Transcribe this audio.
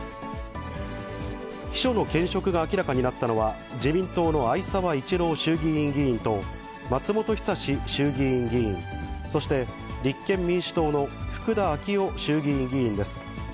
秘書の兼職が明らかになったのは、自民党の逢沢一郎衆議院議員と、松本尚衆議院議員、そして立憲民主党の福田昭夫衆議院議員です。